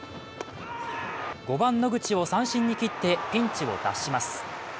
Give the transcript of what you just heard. ５番・野口を三振に切ってピンチを脱します。